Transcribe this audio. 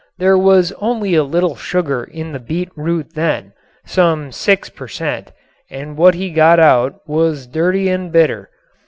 There was only a little sugar in the beet root then, some six per cent., and what he got out was dirty and bitter.